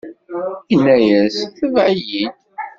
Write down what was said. Inna-as: Tebɛ-iyi-d!